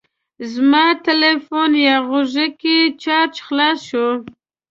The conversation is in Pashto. زما تلیفون یا غوږۍ کې چارج خلاص شو.